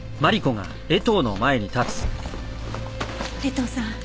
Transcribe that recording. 江藤さん